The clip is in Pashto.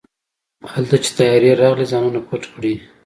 هلته چې طيارې راغلې ځانونه پټ کړئ.